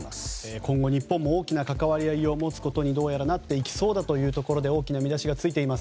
今後、日本も大きな関わり合いを持っていくことにどうやらなっていきそうだというところで大きな見出しがついています。